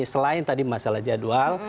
selain tadi masalah jadwal